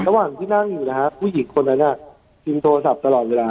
ระหว่างที่นั่งอยู่นะฮะผู้หญิงคนนั้นพิมพ์โทรศัพท์ตลอดเวลา